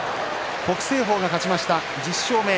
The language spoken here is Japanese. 北青鵬が勝ちました１０勝目。